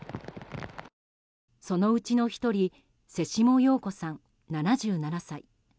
そのうちの１人瀬下陽子さん、７７歳。